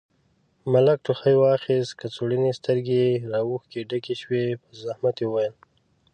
ملک ټوخي واخيست، کڅوړنې سترګې يې له اوښکو ډکې شوې، په زحمت يې وويل: